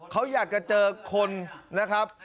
เขาอยากจะเจอคนนะครับ